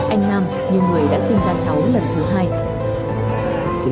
anh nam như người đã sinh ra cháu lần thứ hai